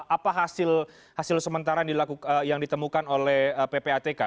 apa hasil sementara yang ditemukan oleh ppatk